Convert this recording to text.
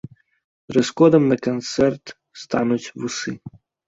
Дрэс-кодам на канцэрт стануць вусы.